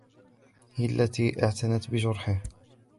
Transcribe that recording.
هي التي اعتنت بجرحه